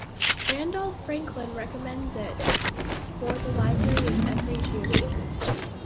Randolph Franklin recommends it "for the library of every geometer".